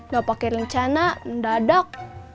gak pakai rencana mendadak